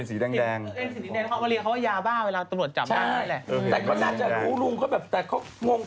มันเหมือนพาราไหมเนี่ยมันเหมือนมันเป็นกลมขาวอ่ะน้อง